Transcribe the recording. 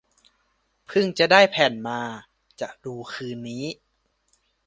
เพิ่งได้แผ่นมา จะดูคืนนี้